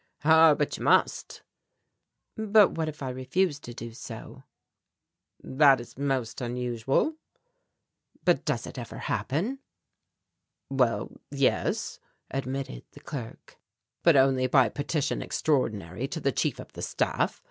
"Ah, but you must." "But what if I refuse to do so?" "That is most unusual." "But does it ever happen?" "Well, yes," admitted the clerk, "but only by Petition Extraordinary to the Chief of the Staff.